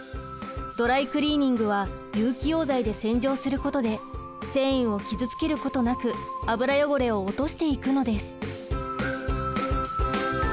ドライクリーニングは有機溶剤で洗浄することで繊維を傷つけることなく油汚れを落としていくのです。